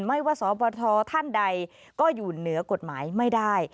ไม่ว่าสบทท่านใดก็อยู่เหนือกฎหมายไม่ได้